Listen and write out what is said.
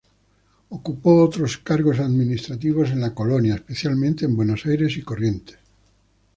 Ocupó otros cargos administrativos en la colonia, especialmente en Buenos Aires y Corrientes.